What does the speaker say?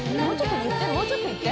もうちょっと言って！